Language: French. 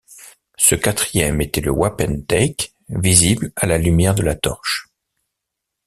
Ce quatrième était le wapentake, visible à la lumière de la torche.